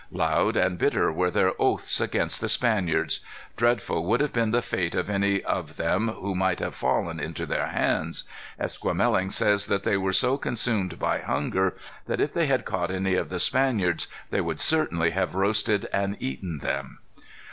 Loud and bitter were their oaths against the Spaniards. Dreadful would have been the fate of any of them who might have fallen into their hands. Esquemeling says that they were so consumed by hunger, that if they had caught any of the Spaniards they would certainly have roasted and eaten them.